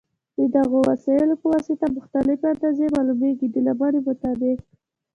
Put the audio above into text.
د دغو وسایلو په واسطه مختلفې اندازې معلومېږي د لمنې مطابق.